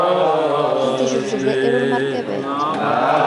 تنتج الجزائر المركبات.